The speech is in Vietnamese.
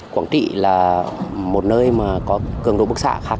quảng trị là một nơi có cường độ bức xạ khá cao